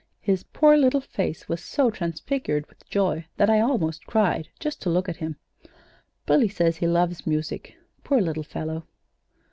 His poor little face was so transfigured with joy that I almost cried, just to look at him. Billy says he loves music poor little fellow!"